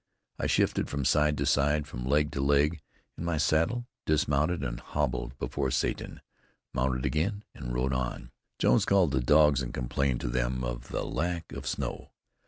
I shifted from side to side, from leg to leg in my saddle, dismounted and hobbled before Satan, mounted again, and rode on. Jones called the dogs and complained to them of the lack of snow.